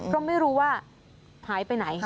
แล้วไม่รู้ว่าหายไปไหน